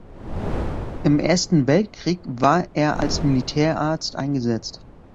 Im Ersten Weltkrieg war er als Militärarzt eingesetzt.